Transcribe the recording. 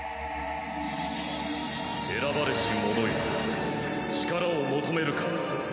選ばれし者よ力を求めるか。